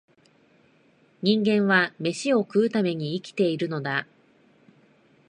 人間は、めしを食うために生きているのだ